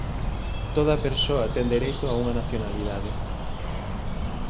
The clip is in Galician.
Toda persoa ten dereito a unha nacionalidade.